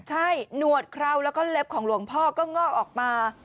ใช่หนวดเคราวแล้วก็เล็บของหลวงพ่อก็งอกออกมา